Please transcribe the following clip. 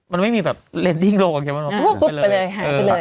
มันไม่มีแบบเรนดิ้งโลกเข้าไปเลย